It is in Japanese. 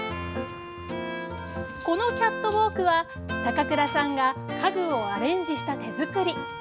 このキャットウォークは高倉さんが家具をアレンジした手作り。